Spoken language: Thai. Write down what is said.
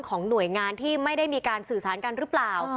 หน่วยงานที่ไม่ได้มีการสื่อสารกันหรือเปล่า